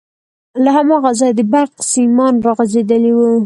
له هماغه ځايه د برق سيمان راغځېدلي وو.